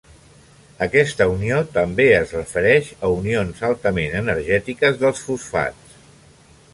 Aquesta unió també es refereix a unions altament energètiques dels fosfats.